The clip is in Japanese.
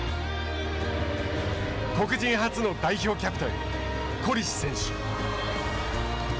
黒人初の代表キャプテンコリシ選手。